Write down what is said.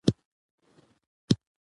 آیا د کولمو بدلون د رواني ناروغیو سبب کیږي؟